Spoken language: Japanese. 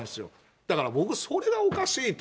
だから僕、それがおかしいと。